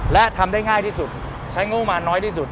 และทำได้ง่ายที่สุดใช้งบมาน้อยที่สุด